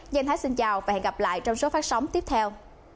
giang thái xin chào và hẹn gặp lại trong số phát sóng tiếp theo